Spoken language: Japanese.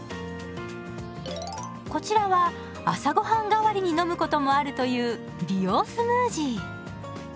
こちらは朝ごはん代わりに飲むこともあるという美容スムージー。